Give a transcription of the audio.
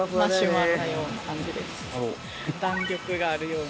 弾力があるような。